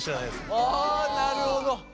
あなるほど。